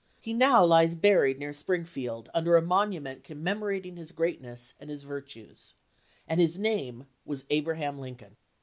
He now lies buried near Springfield, un der a monument commemorating his greatness and his vir tues — and his name was Abraham Lincoln.